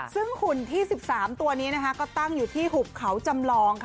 ซึ่งหุ่นที่๑๓ตัวนี้ก็ตั้งอยู่ที่หุบเขาจำลองค่ะ